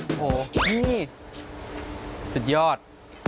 โอ้โหนี่สุดยอด